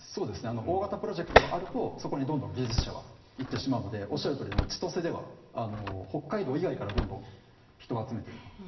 大型プロジェクトがあるとそこにどんどん技術者は行ってしまうのでおっしゃるとおり千歳では北海道以外からどんどん人を集めていると。